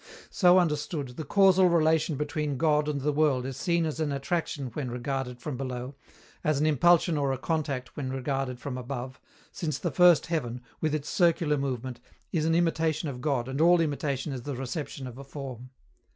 So understood, the causal relation between God and the world is seen as an attraction when regarded from below, as an impulsion or a contact when regarded from above, since the first heaven, with its circular movement, is an imitation of God and all imitation is the reception of a form.